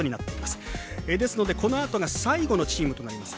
ですのでこのあとが最後のチームとなります。